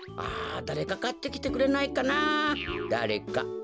あだれかかってきてくれないかなだれか。